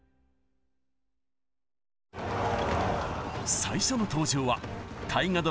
最初の登場は大河ドラマ